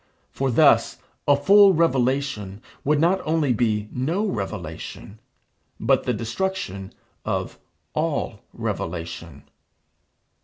For thus a full revelation would not only be no revelation, but the destruction of all revelation.